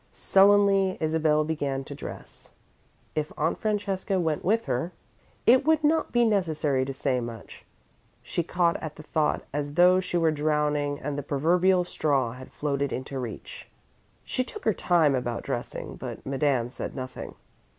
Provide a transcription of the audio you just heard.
Sullenly, Isabel began to dress. If Aunt Francesca went with her, it would not be necessary to say much. She caught at the thought as though she were drowning and the proverbial straw had floated into reach. She took her time about dressing, but Madame said nothing.